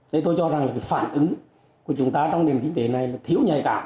thế tôi cho rằng cái phản ứng của chúng ta trong nền kinh tế này là thiếu nhạy cảm